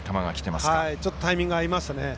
ちょっとタイミングが合いませんね。